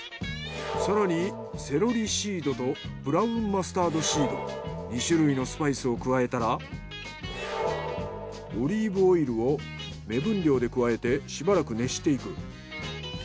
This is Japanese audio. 更にセロリシードとブラウンマスタードシード２種類のスパイスを加えたらオリーブオイルを目分量で加えてしばらく熱していく。